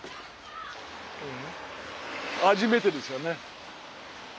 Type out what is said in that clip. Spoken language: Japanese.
初めてですよね。